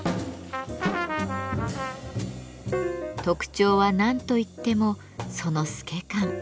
特徴は何と言ってもその透け感。